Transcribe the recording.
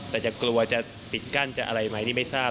แต่จะกลัวจะปิดกั้นจะอะไรไหมนี่ไม่ทราบ